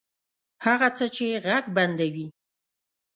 هغه څه چې ږغ بندوي